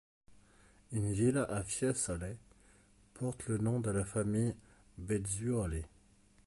Une villa à Fiesole porte le nom de la famille Bezzuoli.